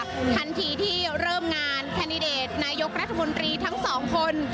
ทันทีที่เริ่มงานแคนดิเดตนายกรัฐมนตรีทั้งสองคน